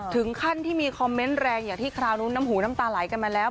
ถึงขั้นที่มีคอมเมนต์แรงอย่างที่คราวนู้นน้ำหูน้ำตาไหลกันมาแล้ว